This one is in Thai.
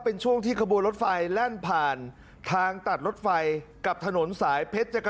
เป็นช่วงที่ขบวนรถไฟแล่นผ่านทางตัดรถไฟกับถนนสายเพชร